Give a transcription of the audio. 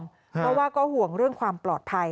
เพราะว่าก็ห่วงเรื่องความปลอดภัย